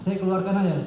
saya keluarkan aja